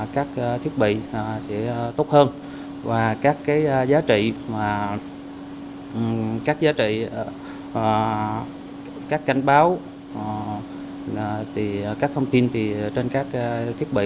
các thiết bị sẽ tốt hơn và các giá trị các cánh báo các thông tin trên các thiết bị